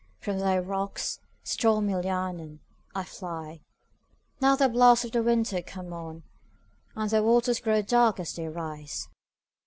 From thy rocks, stormy Llannon, I fly. Now the blasts of the winter come on, And the waters grow dark as they rise!